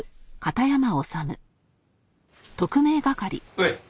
おい。